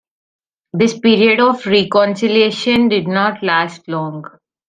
This period of reconciliation did not last long.